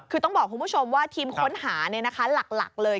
คือต้องบอกคุณผู้ชมว่าทีมค้นหาหลักเลย